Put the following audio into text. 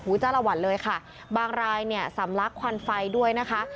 จ้าละวันเลยค่ะบางรายเนี่ยสำลักควันไฟด้วยนะคะ